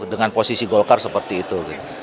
dengan posisi golkar seperti itu